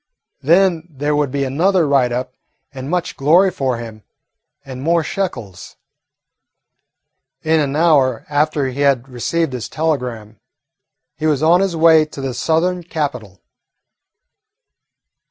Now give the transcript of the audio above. Then there would be another write up and much glory for him and more shekels. In an hour after he had received his telegram he was on his way to the Southern capital.